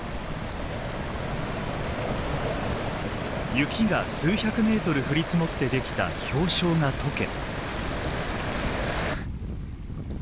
雪が数百メートル降り積もって出来た氷床が解け。